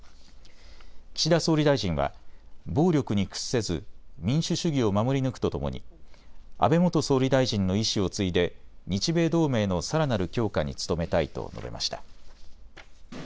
岸田総理大臣は暴力に屈せず民主主義を守り抜くとともに安倍元総理大臣の遺志を継いで日米同盟のさらなる強化に努めたいと述べました。